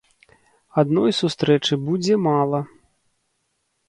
Адной сустрэчы будзе мала.